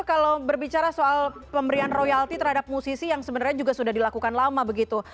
kalau berbicara soal pemberian royalti terhadap musisi yang sebenarnya juga sudah dilakukan lama begitu